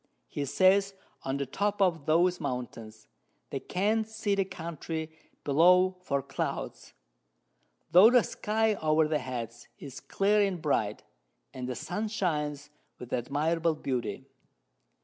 He says, on the Top of those Mountains they can't see the Country below for Clouds, tho' the Sky over their Heads is clear and bright, and the Sun shines with admirable Beauty.